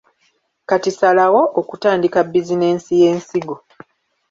Kati salawo okutandika bizinensi y’ensigo.